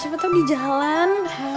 coba tuh di jalan